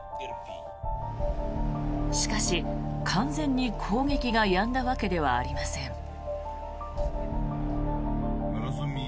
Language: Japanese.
しかし、完全に攻撃がやんだわけではありません。